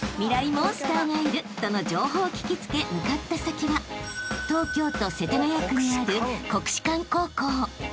モンスターがいるとの情報を聞き付け向かった先は東京都世田谷区にある］